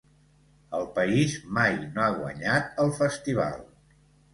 El país mai no ha guanyat el Festival.